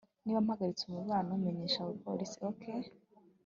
niba mpagaritse umubano, menyesha abapolisi, ok